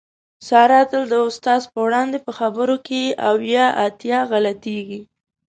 ساره تل د استاد په وړاندې په خبرو کې اویا اتیا غلطېږي.